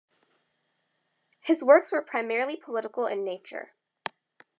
His works were primarily political in nature.